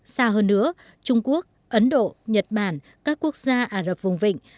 xa hơn nữa trung quốc ấn độ nhật bản các quốc gia ả rập vùng vịnh